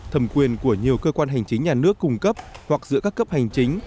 thẩm quyền của nhiều cơ quan hành chính nhà nước cung cấp hoặc giữa các cấp hành chính